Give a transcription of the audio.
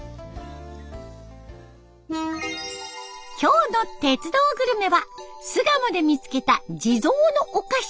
今日の「鉄道グルメ」は巣鴨で見つけた地蔵のお菓子。